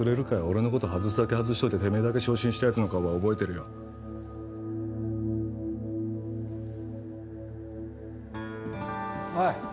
俺のこと外すだけ外しといててめえだけ昇進したやつの顔は覚えてるよおい